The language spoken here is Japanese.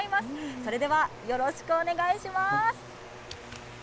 それでは、よろしくお願いします。